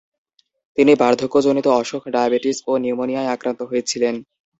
তিনি বার্ধক্যজনিত অসুখ, ডায়াবেটিস ও নিউমোনিয়ায় আক্রান্ত হয়েছিলেন।